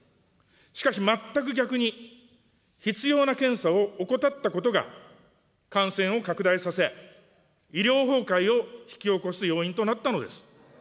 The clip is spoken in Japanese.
しかし全く逆に、必要な検査を怠ったことが感染を拡大させ、医療崩壊を引き起こす要因となったのです。